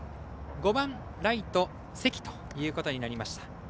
５番ライト関ということになりました。